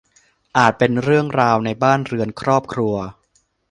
อาจเป็นเรื่องราวในบ้านเรือนครอบครัว